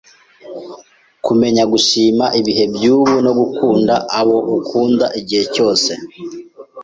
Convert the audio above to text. Kumenya gushima ibihe byubu no gukunda abo ukunda igihe cyose